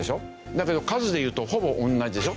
だけど数で言うとほぼ同じでしょ。